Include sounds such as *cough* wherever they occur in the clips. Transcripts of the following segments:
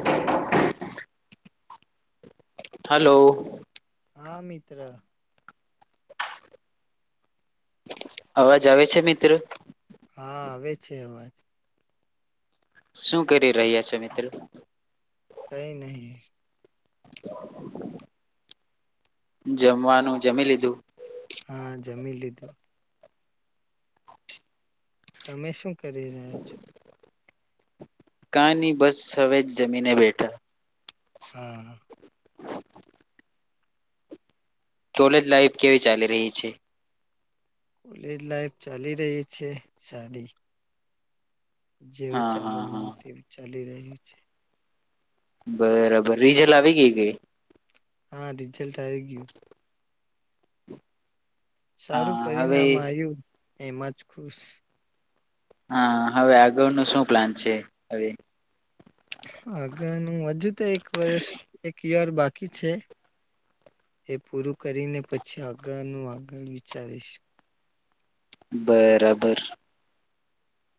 Hello! Hello! ! આ મિત્ર. અવાજ આવે છે મિત્રો? હા આવે છે. શું કરી રહ્યા છો મિત્રો? કઈ નહી. *inaudible* જમવાનું જમી લીધું. હા જમીન લીધું. તમે શું કરી રહ્યા છો? કાની બસ હવે જ જમીને બેઠા. હા. *inaudible* કોલેજ લાઈફ કેવી ચાલી રહી છે? કોલેજ લાઈફ ચાલી રહી છે, સાડી જેવું હા હા ચાલવાનું હા તેવું ચાલી રહ્યું છે. બરાબર રીઝલ આવી ગઈ કે હા રિઝલ્ટ આવી ગયું સારું હા હવે પરિણામ આવ્યું એમાં જ ખુશ હા હવે આગળ ન શું પ્લાન છે હવે? આગળનું હજુ તો એક વર્ષ એક યર બાકી છે. એ પૂરું કરીને પછી આગળનું આગળ વિચારીશ. બરાબર.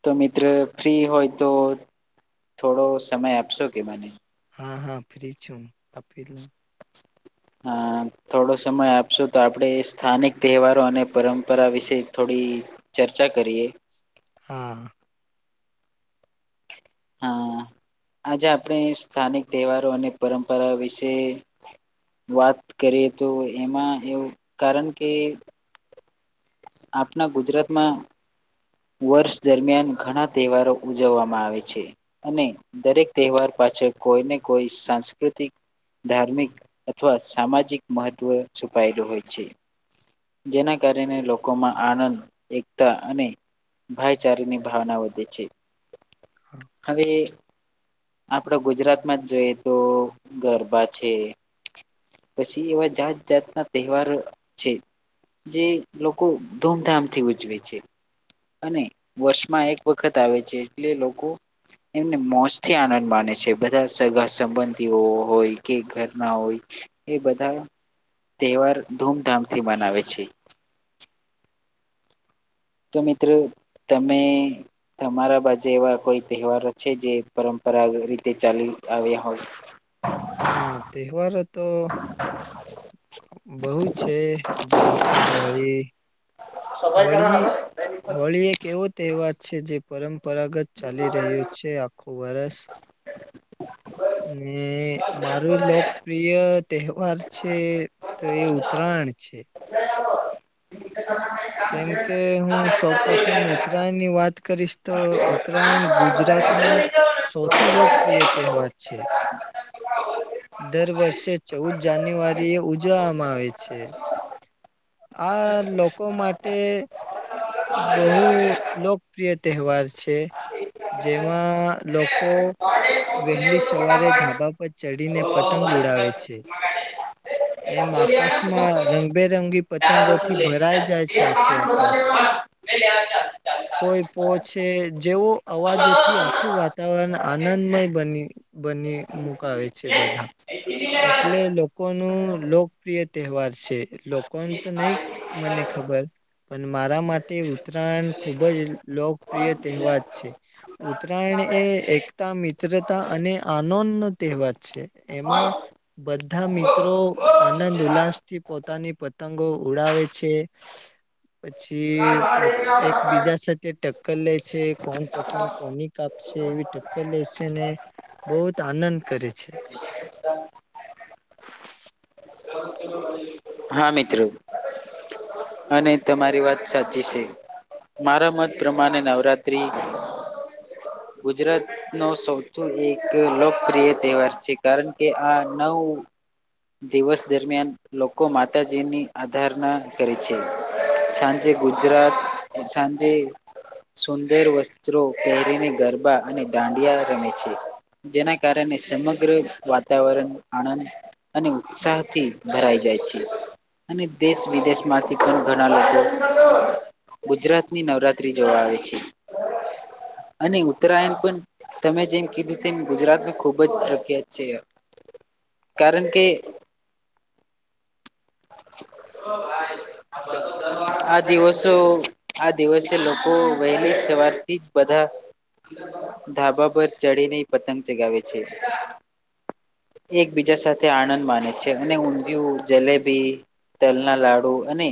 તો મિત્ર ફ્રી હોય તો થોડો સમય આપશો કે મને હા હા ફ્રી છું આપીલું. *inaudible* અ થોડો સમય આપશો તો આપણેે સ્થાનિક તહેવારો અને પરંપરા વિશે થોડી ચર્ચા કરીએ. હા. હા આજે આપણે સ્થાનિક તહેવારો અને પરંપરા વિશે વાત કરીએ તો એમાં એવું કારણ કે આપણા ગુજરાતમાં વર્ષ દરમિયાન ઘણા તહેવારો ઉજવવામાં આવે છે અને દરેક તહેવાર પાસે છે કોઈ ને કોઈ સાંસ્કૃતિક ધાર્મિક અથવા સામાજિક મહત્વ છુપાયેલું હોય છે. જેના કારણે લોકોમાં આનંદ એકતા અને ભાઈચારાની ભાવના વધે છે હા હવે આપડા ગુજરાતમાં જ જોઈએ તો ગરબા છે. પછી એવા જાત જાતના તહેવાર છે. જે લોકો ધૂમધામથી ઉજવે છે. અને વર્ષમાં એક વખત આવે છે, એટલે લોકો એમને મોજથી આનંદ માને છે, બધા સગા સંબંધીઓ હોય કે ઘરના હોય એ બધા તહેવાર ધૂમધામથી મનાવે છે. તો મિત્રો તમે તમારા બાજુ એવા કોઈ તહેવારો છે, જે પરં પરા રીતે ચાલી આવ્યા હોય? હા તહેવારો તો બહુ છે જેમ કે હોળી સફાઈ કર હોળી, હાલ હોળી એક એવો તહેવાર છે, જે પરં પરાગત ચાલી રહ્યું છે, આખું વર્ષ ને મારું લોકપ્રિય તહેવાર છે તો એ ઉત્તરાયણ છે. કેમ કે હું શોપ પ્રથમ ઉત્તરાયણની વાત કરીશ તો ઉત્તરાયણ ગુજરાતનો સૌથી લોકપ્રિય તહેવાર છે. દર વર્ષે ચૌદ જાન્યુઆરીએ ઉજવવામાં આવે છે. આ લોકો માટે બહુ લોકપ્રિય તહેવાર છે. જેમાં લોકો વહેલી સવારે ધાબા પર ચઢીને પતંગ ઉડાવે છે. *inaudible* એમ આકાશમાં રંગબેરંગી પતંગોથી ભરાય જાય છે, આખું આકાશ *inaudible* કોઈ પો છેે જેવો અવાજોથી આખું વાતાવરણ આનંદમય બની બન ને મુકાવે છે બધા એટલે લોકોનું લોકપ્રિય તહેવાર છે. લોકોને તો નહી મને લેવાનું ખબર પણ મારા મા તે ઉત્તરાયણ ખૂબ જ લોકપ્રિય હા તહેવાર છે ઉત્તરાયણ એ એકતા આ મિત્રતા અને આનંદ નો તહેવાર છે. એમાં બધા મિત્રો આનંદ ઉલ્લાસ થી પોતાની પતંગો ઉડાવે છે પછી એક બીજા સાથે ટક્કર લે છે કોણ પતંગ કોની કાપસે એવી ટક્કર લે છે ને બહુત આનંદ કરે છે. *unintelligible* હા મિત્રો અને તમારી વાત સાચી છે. મારા મત પ્રમાણે નવરાત્રી *inaudible* ગુજરાતનો સૌથી એક લોકપ્રિય તહેવાર છે કારણ કે આ નવ દિવસ દરમિયાન લોકો માતાજીની આધારના કરી છે, સાંજે ગુજરાત *unintelligible* સાંજે સુંદર વસ્ત્રો પહેરીને ગરબા અને દાંડિયા રમે છે. જેના કારણે સમગ્ર વાતાવરણ આણંદ અને ઉત્સાહથી ભરાઈ જાય છે. અને દેશ વિદેશમાંથી પણ ઘણા લોકો ગુજરાતની નવરાત્રી જોવા આવે છે. અને ઉત્તરાયણ પણ તમે જેમ કીધું તેમ ગુજરાત ખુબ જ પ્રખ્યાત છે. કારણ કે *unintelligible* આ દિવસો આ દિવસે લોકો વહેલી સવારથી જ બધા ધાબા પર ચડીને પતંગ ચગાવે છે. એકબીજા સાથે આનંદ માને છે, અને ઊંધિયું, જલેબી તલના લાડુ અને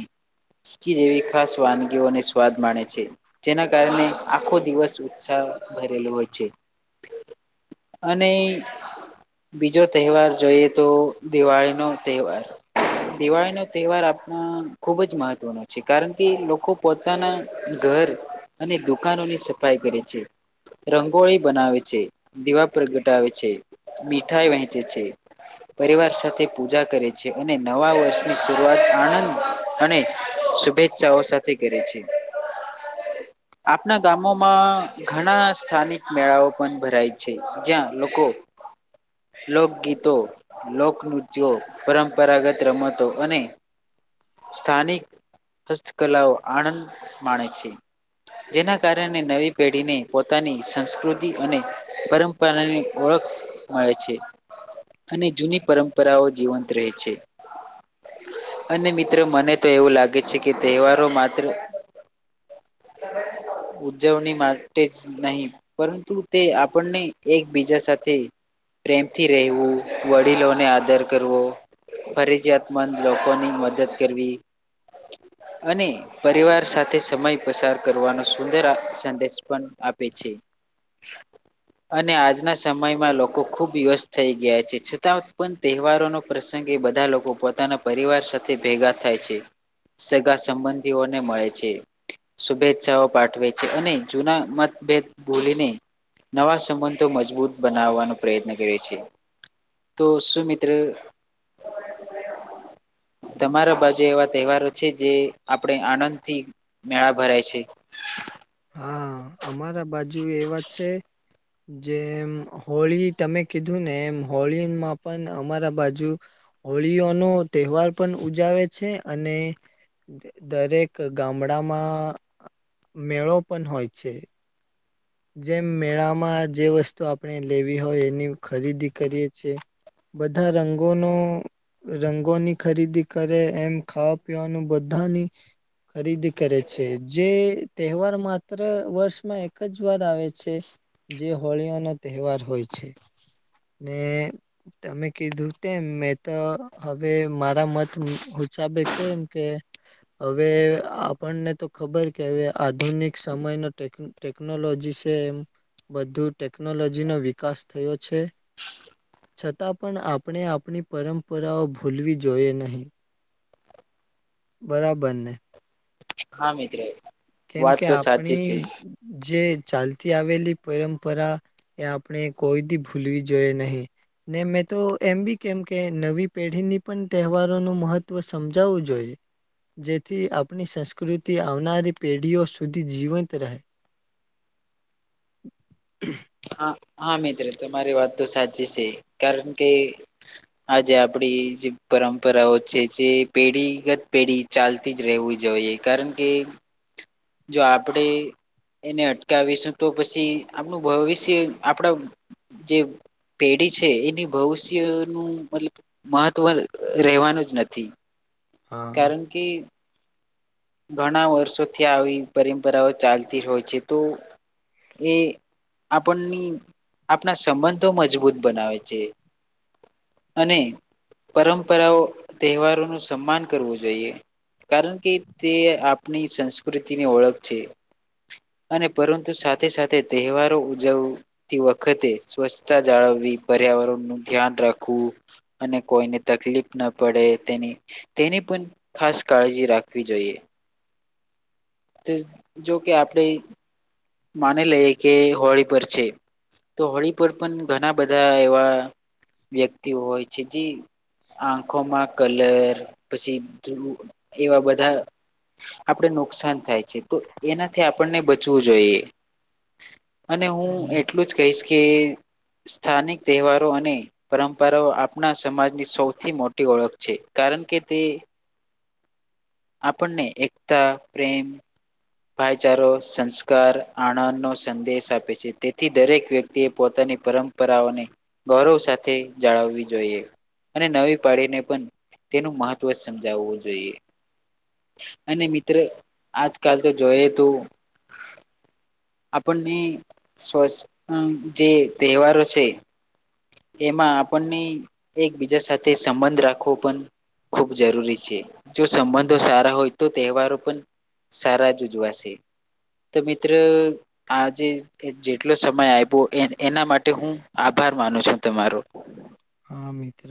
ચીકી જેવી ખાસ વાન બો અને સ્વાદ માણે છે જેના કારણે આખો દિવસ ઉત્સાહ ભરેલો હોય છે. અને બીજો તહેવાર જોઈએ તો દિવાળી નો તહેવાર દિવાળી નો તહેવાર આપણા ખુબ જ મહત્વનો છે કારણ કે લોકો પોતાના ઘર અને દુકાનો ની સફાઈ કરે છે. રંગોળી બનાવે છે, દીવા પ્રગટાવે છે, મીઠાઈ વહેંચે છે. પરિવાર સાથે પૂજા કરે છે અને નવા વર્ષની શરૂઆત આનંદ અને શુભેચ્છાઓ સાથે કરી છે. આપણા ગામોમાં ઘણા સ્થાનિક મેળાઓ પણ ભરાય છે. જ્યાં લોકો લોકગીતો લોકનૃત્યો પરંપરાગત રમતો અને સ્થાનિક હસ્તકલાઓ આનંદ માણે છે જેના કારણે નવી પેઢીને પોતાની સંસ્કૃતિ અને પરંપરાની ઓળખ મળે છે અને જૂની પરંપરાઓ જીવંત રહે છે અને મિત્રો મને તો એવું લાગે છે કે તહેવારો માત્ર એ ઉજજવણી માટે જ નહી પરંતુ તે આપણને એકબીજા સાથે પ્રેમથી રહેવું વડીલોને આદર કરવો ફરજિયાતમંદ લોકોની મદદ કરવી અને પરિવાર સાથે સમય પસાર કરવાનો સુંદર સંદેશ પણ આપે છે અને આજના સમયમાં લોકો લોકો ખૂબ વ્યસ્ત થઈ ગયા છે છતાં પણ તહેવારોનો પ્રસંગે બધા લોકો પોતાના પરિવાર સાથે ભેગા થાય છે સગા સંબંધીઓને મળે છે શુભેચ્છાઓ પાઠવે છે અને જૂના મતભેદ ભૂલીને નવા સંબંધો મજબૂત બનાવવાનો પ્રયત્ન કરએ છેી તો શું મિત્ર તમારા બાજુ એવા તહેવારો છે જે આપણે આનંદથી મેળા ભરાય છે હા અમારા બાજુ એવા છે જેમ હોળી તમે કીધું ને એમ હોળીમાં પણ અમારા બાજુ હોળીઓનો તહેવાર પણ ઉજાવે છે અને દરેક ગામડામાં મેળો પણ હોય છે. જેમ મેળામાં જે વસ્તુ આપણે લેવી હોય એની ખરીદી કરીએ છેએ બધા રંગોનો રંગોની ખરીદી કરે એમ ખાવા પીવાનું બધાની ખરીદી કરે છે જે તહેવાર માં અ્યારે વર્ષમાં એક જ વાર આવે છે જે હોળીઓનો તહેવાર હોય છે ને તમે કીધું તેમ મેં તો હવે મારા મત સાે કેમ કે હવે આપણને તો ખબર કે હવે આધુનિક એક સમયનો ટેકનોલોજી છે એમ બધું ટેકનોલોજીનો વિકાસ થયો છે છતાં પણ આપણે આપણી પરંપરાઓ ભૂલવી જોઈએ નહીં બરાબર ને હા મિત્રો કેમ કે આપણી જે ચાલતી આવેલી પરંપરા એ આપણે કોઈ દ ભૂલવી જોઈએ નહીિ ને મેં તો એમ બી કેમ કે નવી પેઢીની પણ તહેવારોનું મહત્વ સમજાવવું જોઈએ જેથી આપણી સંસ્કૃતિ આવનારી પેઢીઓ સુધી જીવંત રહે હા હા મિત્ર તમારી વાત તો સાચી છે, કારણ કે આજે આપડી જ પરંપરાઓ છે જે પેઢીગત પેઢી ચાલતી જ રહેવી જોઈએ કારણ કે જો આપણેે એને અટકાવીશું તો પછી આપણું ભવિષ્ય આપણા જે પેઢી છે એની ભવિષ્યનું મતલબ મહત્વ રહેવાનું જ નથી હા કારણ કે ઘણા વર્ષોથી આવી પરંપરાઓ ચાલતી હોય છે તો એ આપણની આપણા સંબંધો મજબૂત બનાવે છે. અને પરંપરાઓ તહેવારો નું સન્માન કરવું જોઈએ કારણ કે તે આપણી સંસ્કૃતિની ઓળખ છે. અને પરંતુ સાથે સાથે તહેવારો ઉજવતી વખતે સ્વચ્છતા જાળવવી પડે. પર્યાવરણ નું ધ્યાન રાખવું અને કોઈને તકલીફ ના પડે તેની તેની પણ ખાસ કાળજી રાખવી જોઈએ. જ જોકે આપણે માની લઈએ કે હોળી પર છે. તો હોળી પર પણ ઘણા બધા એવા વ્યક્તિ હોય છે જે આંખોમાં કલર પછી ધ્રુળ એવા બધા આપડે નુકસાન થાય છે. છે તો એનાથી આપણને બચવું જોઈએ. અને હું હમ, એટલું જ કહીશ કે સ્થાનિક તહેવારો અને પરંપરાઓ આપણા સમાજની સૌથી મોટી ઓળખ છે. કારણ કે તે આપણને એકતા પ્રેમ ભાઈચારો, સંસ્કાર, આણંદનો સંદેશ આપે છે તેથી દરેક વ્યક્તિએ પોતાના ની પરંપરાઓને ગૌરવ સાથે જાળવવી જોઈએ. અને નવી પાડીને પણ તેનું મહત્વ સમજાવવું જોઈએ. અને મિત્ર આજકાલ તો જોઈ તું આપણને સ્વસ્થ જે તહેવારો છે. એમાં આપણને એકબીજા સાથે સંબંધ રાખવો પણ ખુબ જરૂરી છે જો સંબંધો હા સારા હોય તો તહેવારો પણ સારા જ ઉજવાશે. તો મિત્ર આજે જેટલો સમય આવ્યો એન એના માટે હુ આભાર માનું છું તમારો. હા મિત્ર